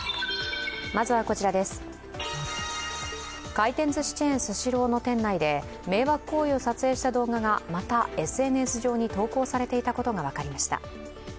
回転ずしチェーン・スシローの店内で迷惑行為を撮影した動画がまたＳＮＳ上に投稿されていたことが分かりました。